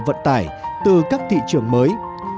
vận tải từ các thị trường mới